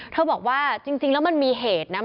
บอกว่าจริงแล้วมันมีเหตุนะ